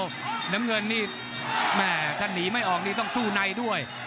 น้ำเงินนี่แม่ถ้าหนีไม่ออกนี่ต้องสู้ในด้วย